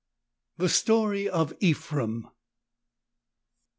159 THE STORY OF EPHREM.